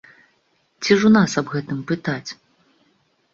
Ці ж у нас аб гэтым пытаць?